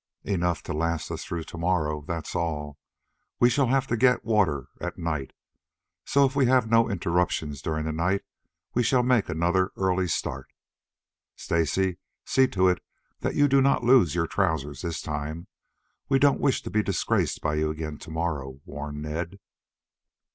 "Enough to last us through to morrow that's all. We shall have to get water at night; so, if we have no interruptions during the night, we shall make another early start." "Stacy, see to it that you do not lose your trousers this time. We don't wish to be disgraced by you again to morrow," warned Ned.